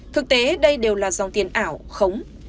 thực tế đây đều là dòng tiền ảo khống